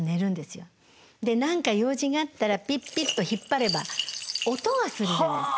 で何か用事があったらピッピッと引っ張れば音がするじゃないですか。